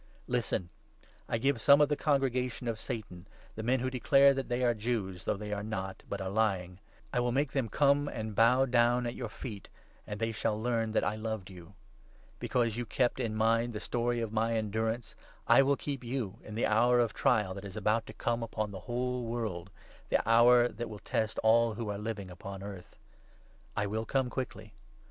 Listen, I 9 give some of the Congregation of Satan, the men who declare that they are Jews, though they are not, but are lying 1 will make them ' come and bow down at your feet,' and they shall learn that I loved you. Because you kept in mind the 10 story of my endurance, I will keep you in the hour of trial that is about to come upon the whole world, the hour that will test all who are living upon earth. I will come quickly.